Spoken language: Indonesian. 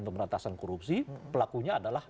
pemberantasan korupsi pelakunya adalah